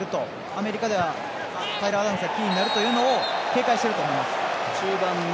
アメリカではタイラー・アダムズがキーになるというのを警戒していると思います。